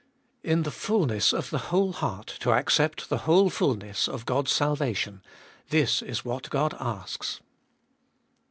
2. In the fulness of the whole heart to accept the whole fulness of God's salvation— this is what God ashs.